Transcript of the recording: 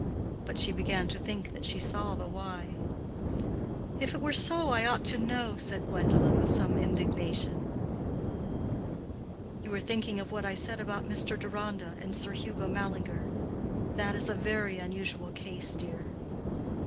(But she began to think that she saw the why.) "If it were so, I ought to know," said Gwendolen, with some indignation. "You are thinking of what I said about Mr. Deronda and Sir Hugo Mallinger. That is a very unusual case, dear."